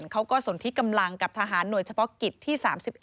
เขาก็สนที่กำลังกับทหารหน่วยเฉพาะกิจที่๓๑